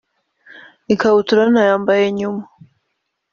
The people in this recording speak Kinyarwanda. ikabutura nayambaye nyuma